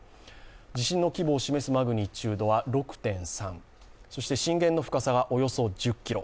地震の規模を示すマグニチュードは６．３、そして震源の深さは１０ｋｍ。